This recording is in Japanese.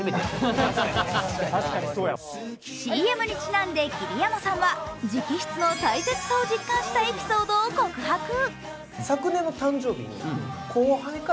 ＣＭにちなんで桐山さんは直筆の大切さを実感したエピソードを告白。